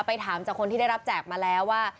ถามจากคนที่ได้รับแจกมาแล้วว่า